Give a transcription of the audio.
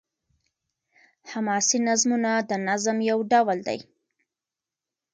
حماسي نظمونه د نظم يو ډول دﺉ.